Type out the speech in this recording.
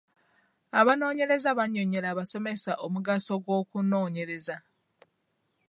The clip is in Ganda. Abanoonyereza bannyonnyola abasomesa omugaso gw'okunoonyereza.